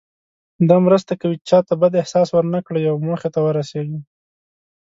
دا مرسته کوي چې چاته بد احساس ورنه کړئ او موخې ته ورسیږئ.